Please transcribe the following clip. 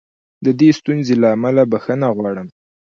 د دې ستونزې له امله بښنه غواړم.